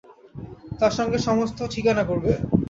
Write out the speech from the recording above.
তাঁর সঙ্গে সমস্ত ঠিকানা করবে।